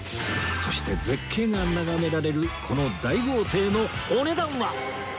そして絶景が眺められるこの大豪邸のお値段は！？